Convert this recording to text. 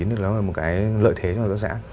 nó là một cái lợi thế cho hội tác xã